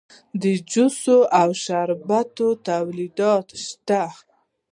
د جوس او شربت تولیدات شته